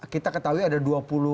kita ketahui ada dua puluh